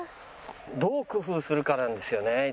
どう工夫するかなんですよね